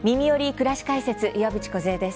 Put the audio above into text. くらし解説」岩渕梢です。